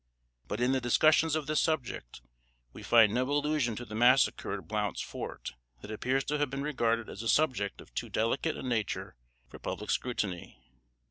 But in the discussions of this subject, we find no allusion to the massacre at "Blount's Fort;" that appears to have been regarded as a subject of too delicate a nature for public scrutiny.